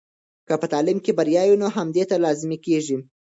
که په تعلیم کې بریا وي، نو همدې ته لازمي کیږي.